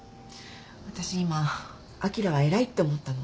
私今あきらは偉いって思ったの。